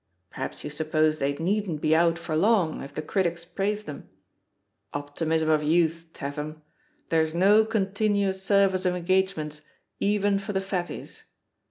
Perhaps you suppose they needn't be out for long, if the critics praise them? Optimism of youth, Tatham ; there's no continuous service of engage ments even for the Fatties.